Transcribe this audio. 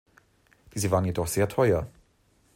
Diese waren jedoch sehr teuer.